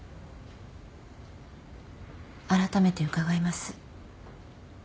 あらためて伺います。